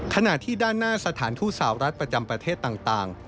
ขณะที่ด้านหน้าสถานทูตสาวรัฐประจำประเทศต่าง